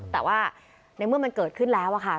แต่ว่าในเมื่อมันเกิดขึ้นแล้วค่ะ